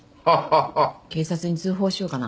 警察に通報しようかな。